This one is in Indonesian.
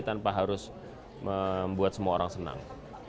tanpa harus membuat semua orang senang